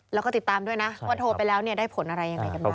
แล้วก็ติดตามด้วยนะว่าโทรไปแล้วได้ผลอะไรยังไงกันบ้าง